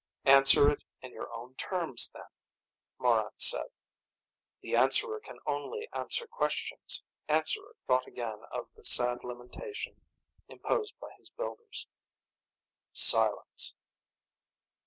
"Answer it in your own terms, then," Morran said. "The Answerer can only answer questions." Answerer thought again of the sad limitation imposed by his builders. Silence.